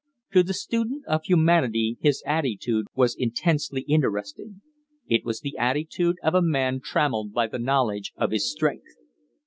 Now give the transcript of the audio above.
To the student of humanity his attitude was intensely interesting. It was the attitude of a man trammelled by the knowledge of his strength.